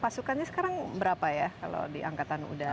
pasukannya sekarang berapa ya kalau di angkatan udara